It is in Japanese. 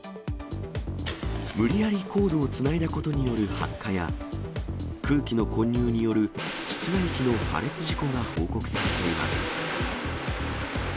無理やりコードをつないだことによる発火や、空気の混入による室外機の破裂事故が報告されています。